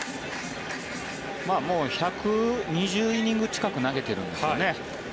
もう１２０イニング近く投げてるんですかね。